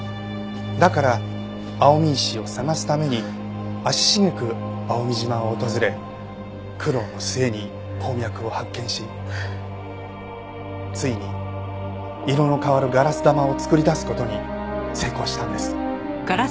だから蒼海石を探すために足しげく蒼海島を訪れ苦労の末に鉱脈を発見しついに色の変わるガラス玉を作り出す事に成功したんです。